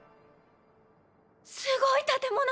すごい建物！